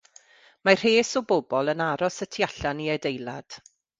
Mae rhes o bobl yn aros y tu allan i adeilad.